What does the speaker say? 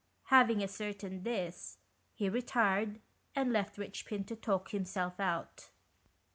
Having ascertained this, he retired, and left Eichpin to talk himself out.